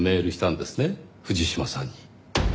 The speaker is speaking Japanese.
藤島さんに。